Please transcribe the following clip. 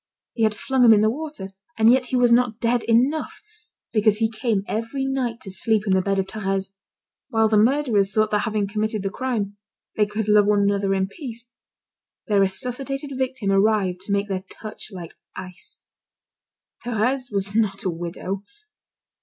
He had flung him in the water; and yet he was not dead enough, because he came every night to sleep in the bed of Thérèse. While the murderers thought that having committed the crime, they could love one another in peace, their resuscitated victim arrived to make their touch like ice. Thérèse was not a widow.